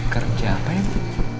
kerja apa ya bu